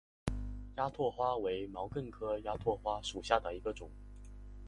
鸦跖花为毛茛科鸦跖花属下的一个种。